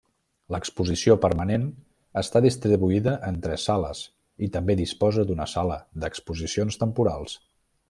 L'exposició permanent està distribuïda en tres sales i també disposa d'una sala d'exposicions temporals.